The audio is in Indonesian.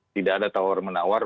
tidak ada tawar menawar